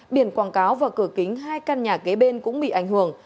biển quảng cáo và cửa kính hai căn nhà kế bên cũng bị ảnh hưởng